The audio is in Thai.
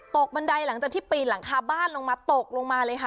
บันไดหลังจากที่ปีนหลังคาบ้านลงมาตกลงมาเลยค่ะ